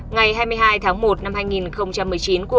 ngày hai mươi hai tháng một năm hai nghìn một mươi chín của